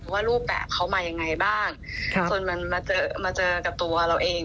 ว่ารูปแบบเขามายังไงบ้างจนมันมาเจอมาเจอกับตัวเราเอง